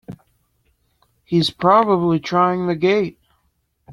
He's probably trying the gate!